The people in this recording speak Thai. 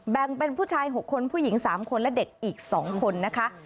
แบ่งเป็นผู้ชาย๖คนผู้หญิง๓คนและเด็กอีก๒คนนะคะ